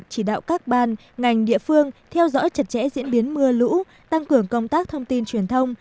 chỉ đạo các ban ngành địa phương theo dõi chặt chẽ diễn biến mưa lũ tăng cường công tác thông tin truyền thông